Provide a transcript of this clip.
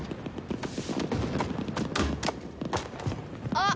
あっ。